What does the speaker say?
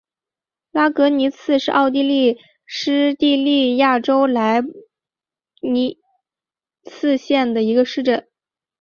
拉格尼茨是奥地利施蒂利亚州莱布尼茨县的一个市镇。